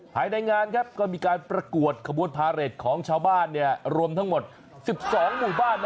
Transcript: ภายในงานครับก็มีการประกวดขบวนพาเรทของชาวบ้านรวมทั้งหมด๑๒หมู่บ้าน